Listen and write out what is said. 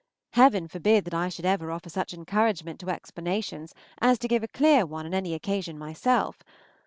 Heaven forbid that I should ever offer such encouragement to explanations as to give a clear one on any occasion myself!